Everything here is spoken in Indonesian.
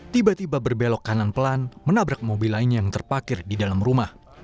tiba tiba berbelok kanan pelan menabrak mobil lainnya yang terpakir di dalam rumah